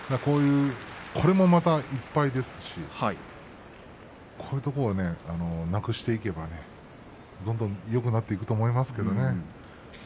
これもいっぱいですしこういうところをなくしていけばどんどんよくなっていくと思うんですけどね。